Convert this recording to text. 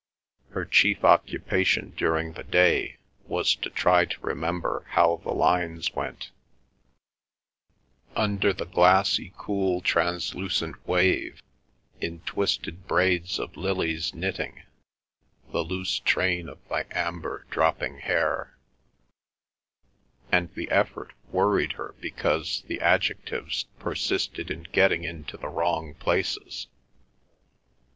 Her chief occupation during the day was to try to remember how the lines went: Under the glassy, cool, translucent wave, In twisted braids of lilies knitting The loose train of thy amber dropping hair; and the effort worried her because the adjectives persisted in getting into the wrong places.